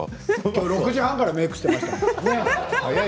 きょう６時半からメークしていましたよね。